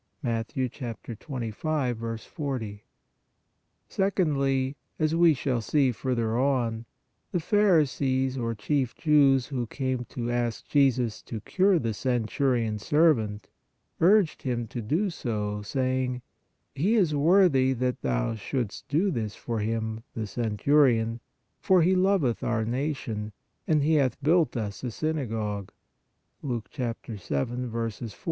" (Mat. 25. 40). Sec ondly, as we shall see further on, the (pharisees or) chief Jews who came to ask Jesus to cure the cen turion s servant, urged Him to do so, saying :" He is worthy that Thou shouldst do this for him (the centurion), for he loveth our nation; and he hath built us a synagogue" (Luke 7. 4, 5).